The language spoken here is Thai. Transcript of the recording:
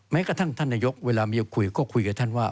แม้กระทั่งท่านนายกเวลามีคุยก็คุยกับท่านว่า